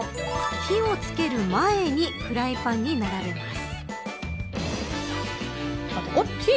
火をつける前にフライパンに並べます。